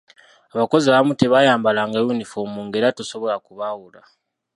Abakozi abamu tebaayambalanga yunifoomu ng'era tosobola kubaawula.